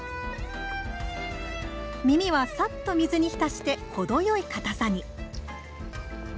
みみは、さっと水に浸して程よいかたさに。